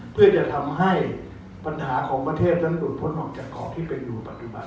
เพื่อจะทำให้ปัญหาของประเทศจะหลุดพ้นออกจากกรมที่เป็นอยู่ปัจจุบัน